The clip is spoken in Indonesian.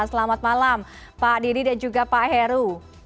selamat malam pak didi dan juga pak heru